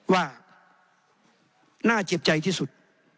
ว่าน่าเจ็บใจที่สุด